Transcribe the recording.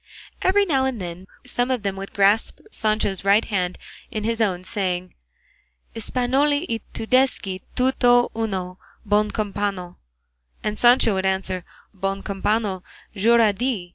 Every now and then some one of them would grasp Sancho's right hand in his own saying, "Espanoli y Tudesqui tuto uno: bon compano;" and Sancho would answer, "Bon compano, jur a Di!"